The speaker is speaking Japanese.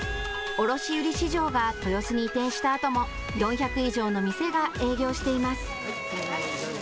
卸売市場が豊洲に移転したあとも４００以上の店が営業しています。